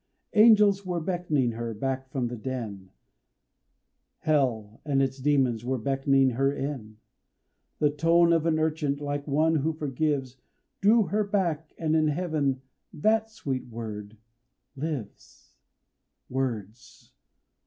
Angels were beck'ning her back from the den, Hell and its demons were beck'ning her in; The tone of an urchin, like one who forgives, Drew her back and in heaven that sweet word lives. Words!